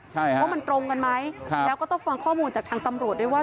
ใช่ฮะว่ามันตรงกันไหมแล้วก็ต้องฟังข้อมูลจากทางตำรวจด้วยว่า